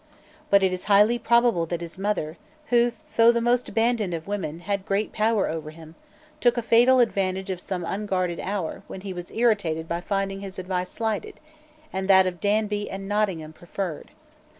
But it is highly probable that his mother, who, though the most abandoned of women, had great power over him, took a fatal advantage of some unguarded hour when he was irritated by finding his advice slighted, and that of Danby and Nottingham preferred.